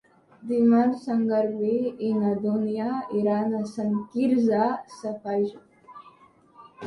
Dimarts en Garbí i na Dúnia iran a Sant Quirze Safaja.